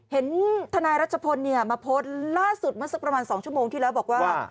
เห็นทนายรัชพลมาโพสต์ล่าสุดเมื่อสักประมาณ๒ชั่วโมงที่แล้วบอกว่า